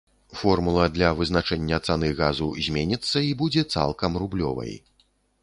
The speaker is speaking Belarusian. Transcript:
Формула для вызначэння цаны газу зменіцца і будзе цалкам рублёвай.